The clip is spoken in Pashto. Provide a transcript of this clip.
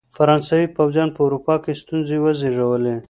فرانسوي پوځیانو په اروپا کې ستونزې وزېږولې.